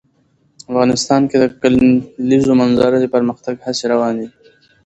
افغانستان کې د د کلیزو منظره د پرمختګ هڅې روانې دي.